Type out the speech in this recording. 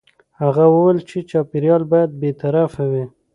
هغه وویل چې خبریال باید بې طرفه وي.